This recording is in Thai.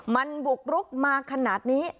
มันบุกรุกมาขนาดนี้